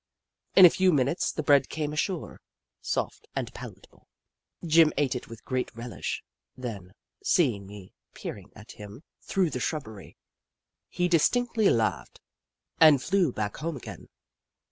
In a few minutes, the bread came ashore, soft and palatable. Jim ate it with great relish, then, seeing me peering at him through 128 The Book of Clever Beasts the shrubbery, he distinctly laughed, and flew back home again.